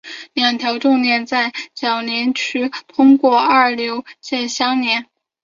两条重链在铰链区通过二硫键相连。